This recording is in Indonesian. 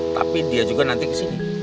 tapi dia juga nanti ke sini